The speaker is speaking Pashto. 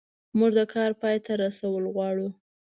موږ د کار پای ته رسول غواړو.